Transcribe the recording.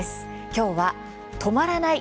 きょうは「とまらない！